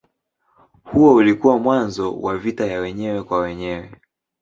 Huo ulikuwa mwanzo wa vita ya wenyewe kwa wenyewe.